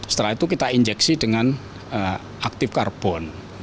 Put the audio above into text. setelah itu kita injeksi dengan aktif karbon